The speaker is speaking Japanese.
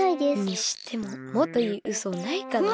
にしてももっといいうそないかな？